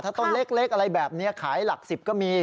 ต้นเล็กอะไรแบบนี้ขายหลัก๑๐ก็มี